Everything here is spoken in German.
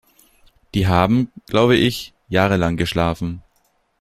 Die haben, glaube ich, jahrelang geschlafen.